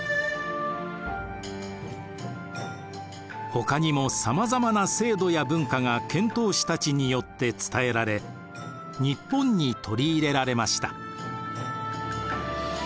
ほかにもさまざまな制度や文化が遣唐使たちによって伝えられ日本に取り入れられました。